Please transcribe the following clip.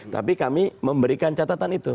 tapi kami memberikan catatan itu